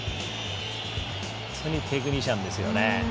非常にテクニシャンですよね。